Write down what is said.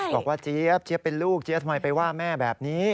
เจี๊ยบเจี๊ยบเป็นลูกเจี๊ยบทำไมไปว่าแม่แบบนี้